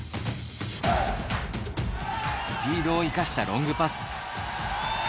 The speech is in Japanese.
スピードを生かしたロングパス。